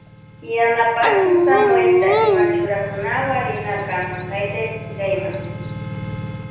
Yanapashun Samuelta ima churakunawarina kan haytaypukllayma.